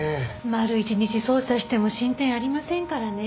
丸一日捜査しても進展ありませんからね。